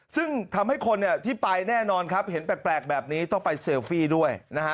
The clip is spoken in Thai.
ซึ่งทำให้คนที่ไปแน่นอนครับเห็นแปลกแบบนี้ต้องไปเซลฟี่ด้วยนะฮะ